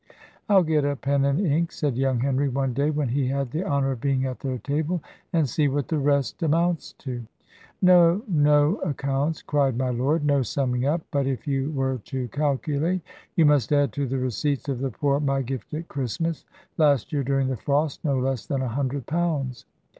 "I'll get a pen and ink," said young Henry, one day, when he had the honour of being at their table, "and see what the rest amounts to." "No, no accounts," cried my lord, "no summing up; but if you were to calculate, you must add to the receipts of the poor my gift at Christmas last year, during the frost, no less than a hundred pounds."